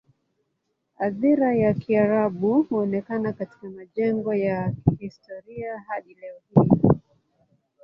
Athira ya Kiarabu huonekana katika majengo ya kihistoria hadi leo hii.